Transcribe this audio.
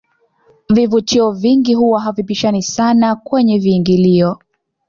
vivutio vingi huwa havipishani sana kwenye viingilio